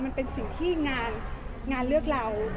มันเป็นสิ่งที่งานเลือกเรา